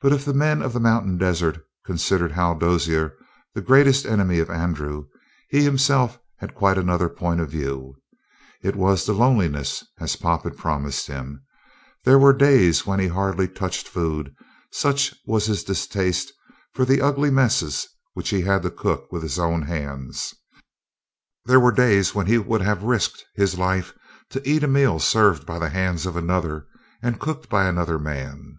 But if the men of the mountain desert considered Hal Dozier the greatest enemy of Andrew, he himself had quite another point of view. It was the loneliness, as Pop had promised him. There were days when he hardly touched food such was his distaste for the ugly messes which he had to cook with his own hands; there were days when he would have risked his life to eat a meal served by the hands of another and cooked by another man.